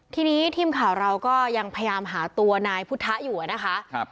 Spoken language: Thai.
ทีนี้ทีมข่าวเราก็ยังพยายามหาตัวนายพุทธะอยู่อะนะคะ